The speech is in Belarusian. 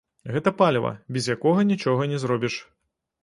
Гэта паліва, без якога нічога не зробіш.